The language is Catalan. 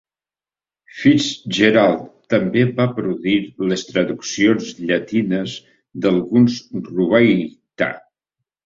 FitzGerald també va produir les traduccions llatines d'alguns rubaiyat.